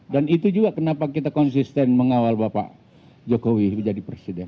dan itu juga kenapa kita konsisten mengawal bapak jokowi menjadi presiden